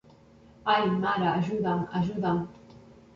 Ai, mare, ajuda'm, ajuda'm!